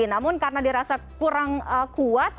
namun karena dirasa kurang kuat